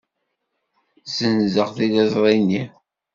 Ssenzeɣ tiliẓri-nni.